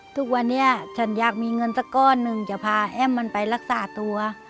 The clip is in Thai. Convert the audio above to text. ทุกวันนี้ฉันอยากมีเงินสักก้อนหนึ่งจะพาแอ้มมันไปรักษาตัว